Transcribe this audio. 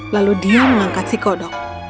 lalu dia mengangkat si kodok